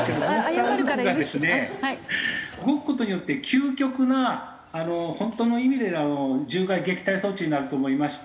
動く事によって究極なあの本当の意味での獣害撃退装置になると思いまして。